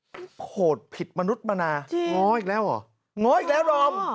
มันโหดผิดมนุษย์มานาน้ออีกแล้วเหรอง้ออีกแล้วดอม